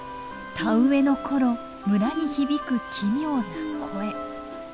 田植えの頃村に響く奇妙な声。